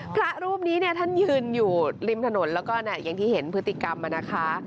พระรูปนี้เนี่ยท่านยืนอยู่ริมถนนแล้วก็อย่างที่เห็นพฤติกรรมนะคะ